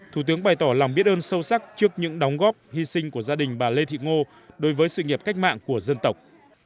thủ tướng bày tỏ lòng biết ơn sâu sắc trước những đóng góp hy sinh của gia đình bà lê thị ngô đối với sự nghiệp cách mạng của dân tộc